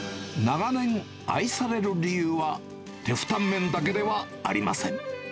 長年、愛される理由は、テフタンメンだけではありません。